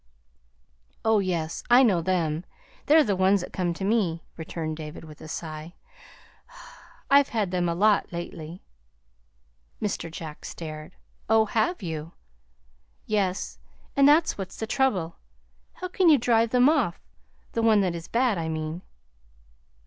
"Oh, yes, I know them; they're the ones that come to me," returned David, with a sigh. "I've had them a lot, lately." Mr. Jack stared. "Oh, have you?" "Yes; and that's what's the trouble. How can you drive them off the one that is bad, I mean?"